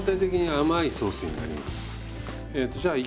はい。